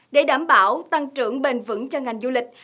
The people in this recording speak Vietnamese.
để đảm bảo tăng trưởng bền vững cho ngành du lịch